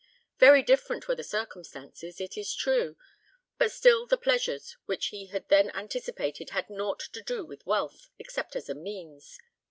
Very different were the circumstances, it is true, but still the pleasures which he had then anticipated had nought to do with wealth, except as a means.